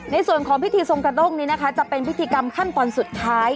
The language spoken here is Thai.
ในส่วนของพิธีทรงกระด้งนี้นะคะจะเป็นพิธีกรรมขั้นตอนสุดท้าย